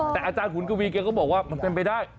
แต่อาจารย์ขุนกวีแกก็บอกว่ามันเป็นไปได้